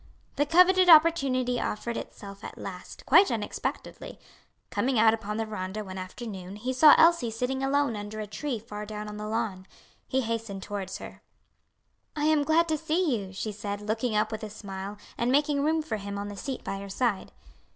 The coveted opportunity offered itself at last, quite unexpectedly. Coming out upon the veranda one afternoon, he saw Elsie sitting alone under a tree far down on the lawn. He hastened towards her. "I am glad to see you," she said, looking up with a smile and making room for him on the seat by her side.